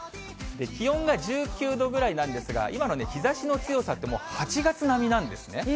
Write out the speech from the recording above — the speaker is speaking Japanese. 気温が１９度ぐらいなんですが、今の日ざしの強さって、もう８月並みなんですね。